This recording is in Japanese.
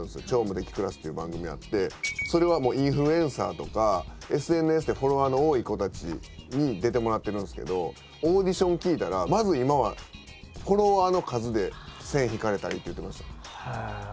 「超無敵クラス」っていう番組があってそれはもうインフルエンサーとかＳＮＳでフォロワーの多い子たちに出てもらってるんですけどオーディション聞いたらまず今はフォロワーの数で線引かれたりって言ってました。